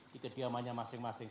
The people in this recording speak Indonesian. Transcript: di kediamannya masing masing